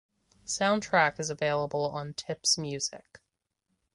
Soundtrack is available on Tips Music.